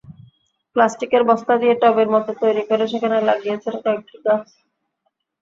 প্লাস্টিকের বস্তা দিয়ে টবের মতো তৈরি করে সেখানে লাগিয়েছেন কয়েকটি গাছ।